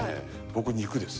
僕肉です。